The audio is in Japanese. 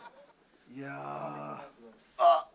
いやあっ！